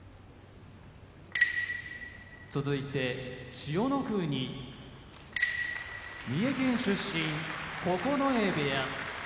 千代の国三重県出身九重部屋